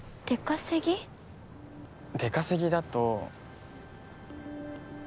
出稼ぎだと。